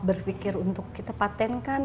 berpikir untuk kita patenkan